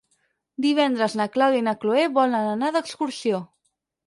Divendres na Clàudia i na Cloè volen anar d'excursió.